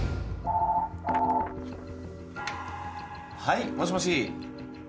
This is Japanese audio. ☎はいもしもし。